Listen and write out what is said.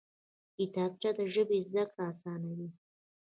کتابچه د ژبې زده کړه اسانوي